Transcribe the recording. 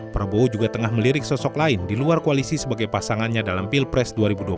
prabowo juga tengah melirik sosok lain di luar koalisi sebagai pasangannya dalam pilpres dua ribu dua puluh